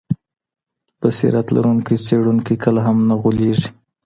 بصیرت لرونکی څېړونکی کله هم نه غولیږي.